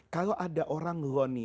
kalau ada orang goni